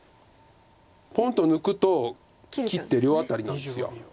ポンと抜くと切って両アタリなんです。